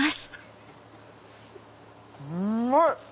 うまい！